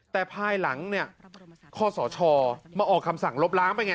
แต่ภายหลังเนี่ยข้อสชมาออกคำสั่งลบล้างไปไง